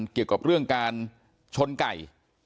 เกี่ยวกับเรื่องการชนไก่